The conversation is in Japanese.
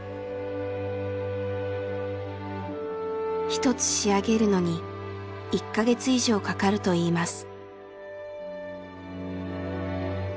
１つ仕上げるのに１か月以上かかるといいます。